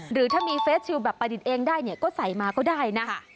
หรือถ้ามีเฟสชิลแบบประดิษฐ์เองได้เนี่ยก็ใส่มาก็ได้นะ